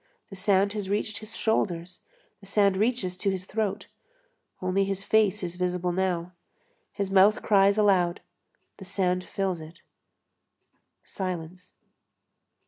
The sand has reached his shoulders, the sand reaches to his throat; only his face is visible now. His mouth cries aloud, the sand fills it; silence.